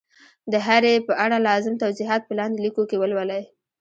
د هري ي په اړه لازم توضیحات په لاندي لیکو کي ولولئ